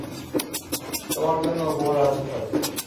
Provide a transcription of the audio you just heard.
তোমার জন্য উপহার আছে সাথে।